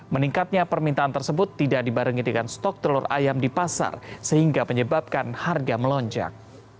meningkatnya permintaan tersebut tidak dibarengi dengan stok telur ayam di pasar sehingga menyebabkan harga melonjak